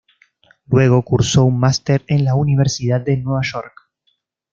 Luego, cursó un master en la Universidad de Nueva York.